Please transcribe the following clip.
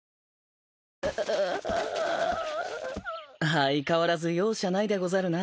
相変わらず容赦ないでござるな。